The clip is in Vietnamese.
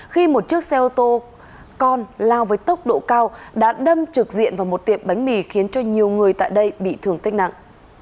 khi một chiếc xe ô tô con lao với tốc độ cao đã đâm trực diện vào một tiệm bánh mì khiến cho nhiều người tại đây bị thương tích nặng